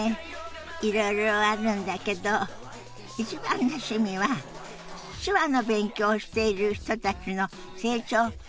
いろいろあるんだけど一番の趣味は手話の勉強をしている人たちの成長を見守ることかしら。